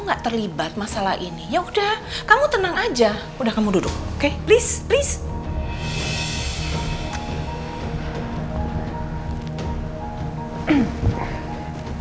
gak terlibat masalah ini ya udah kamu tenang aja udah kamu duduk oke lease lease